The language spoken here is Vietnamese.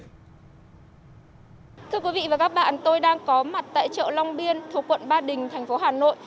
thưa quý vị và các bạn tôi đang có mặt tại chợ long biên thuộc quận ba đình thành phố hà nội